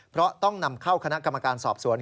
เพราะต้องนำเข้าคณะกรรมการสอบสวน